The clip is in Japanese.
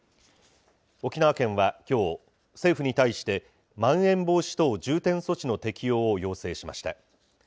沖縄県はきょう、政府に対して、まん延防止等重点措置の適用を要請しました。